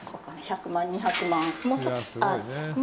１００万、２００万。